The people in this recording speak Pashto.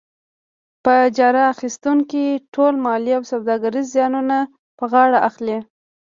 په اجاره اخیستونکی ټول مالي او سوداګریز زیانونه په غاړه اخلي.